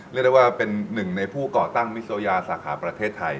เรียกได้ว่าเป็นหนึ่งในผู้ก่อตั้งมิโซยาสาขาประเทศไทย